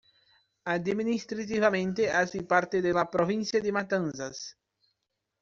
Administrativamente hace parte de la Provincia de Matanzas.